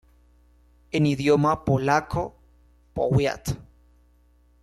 En idioma polaco "powiat".